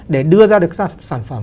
để đưa ra được sản phẩm